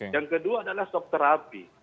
yang kedua adalah sokterapi